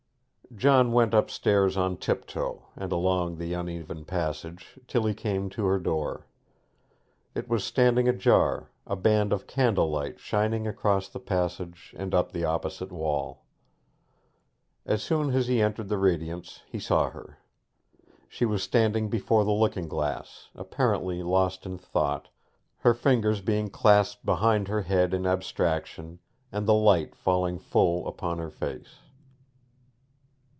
John went upstairs on tip toe, and along the uneven passage till he came to her door. It was standing ajar, a band of candlelight shining across the passage and up the opposite wall. As soon as he entered the radiance he saw her. She was standing before the looking glass, apparently lost in thought, her fingers being clasped behind her head in abstraction, and the light falling full upon her face.